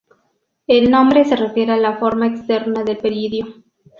El nombre se refiere a la forma externa del peridio.